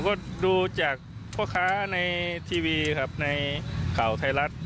ก็ดูจากพ่อค้าในทีวีครับในข่าวไทยรัฐ